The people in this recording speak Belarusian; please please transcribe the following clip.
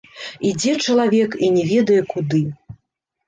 Ідзе чалавек і не ведае куды.